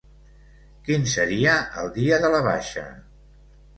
Quin seria el dia de la baixa?